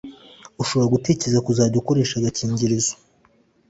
ushobora gutekereza kuzajya ukoresha agakingirizo